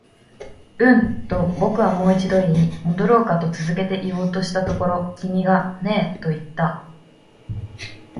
うん、と僕はもう一度言い、戻ろうかと続けて言おうとしたところ、君がねえと言った